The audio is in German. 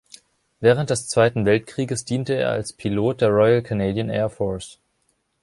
Während des Zweiten Weltkrieges diente er als Pilot der Royal Canadian Air Force.